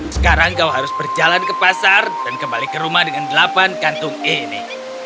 sekarang kau harus berjalan ke pasar dan kembali ke rumah dengan delapan kantung ini